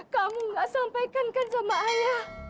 kamu gak sampaikan kan sama ayah